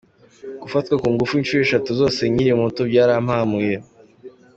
Gufatwa ku ngufu inshuro eshatu zose nkiri muto byarampahamuye.